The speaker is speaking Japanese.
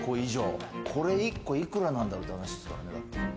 これ１個いくらなんだろうって話ですからね。